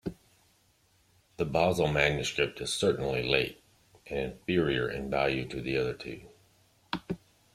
The Basle manuscript is certainly late and inferior in value to the other two.